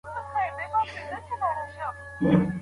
د ملاریا ضد درمل چيري موندل کیږي؟